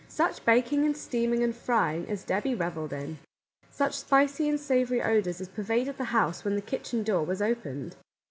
Such baking and steaming and frying as Debby revelled in ! Such spicy and savoury odours as pervaded the house when the kitchen door was opened